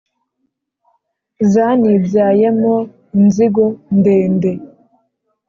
Zanibyayemo inzigo ndende